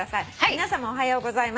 「皆さまおはようございます。